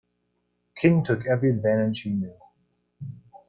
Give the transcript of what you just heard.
King took every advantage he knew.